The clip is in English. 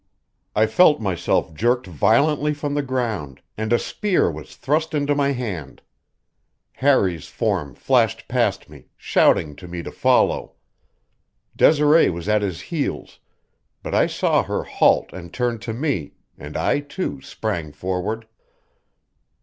I felt myself jerked violently from the ground, and a spear was thrust into my hand. Harry's form flashed past me, shouting to me to follow. Desiree was at his heels; but I saw her halt and turn to me, and I, too, sprang forward.